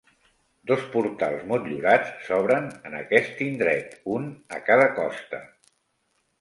Dos portals motllurats s'obren en aquest indret, un a cada costa.